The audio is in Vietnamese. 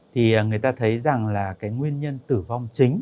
thì người ta thấy rằng là cái nguyên nhân tử vong chính